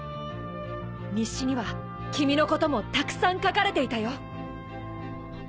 日誌には君のこともたくさん書かれていたよ。